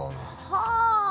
はあ！